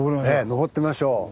上ってみましょう。